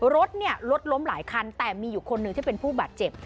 รถเนี่ยรถล้มหลายคันแต่มีอยู่คนหนึ่งที่เป็นผู้บาดเจ็บ